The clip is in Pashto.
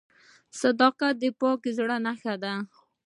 • صداقت د پاک زړه نښه ده.